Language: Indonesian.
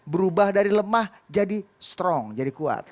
berubah dari lemah jadi strong jadi kuat